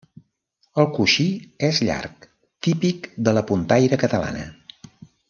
El coixí és llarg, típic de la puntaire catalana.